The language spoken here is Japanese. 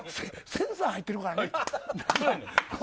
センサー入ってるからね。